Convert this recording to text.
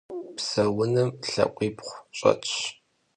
Pseunım lhakhuibğu ş'etş.